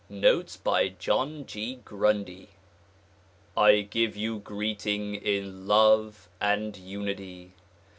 Notes by John G. Grundy I GIVE you greeting in love and unity.